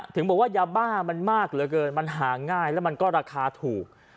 ถึงบอกว่ายาบ้ามันมากเหลือเกินมันหาง่ายแล้วมันก็ราคาถูก